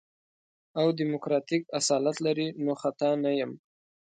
او ديموکراتيک اصالت لري نو خطا نه يم.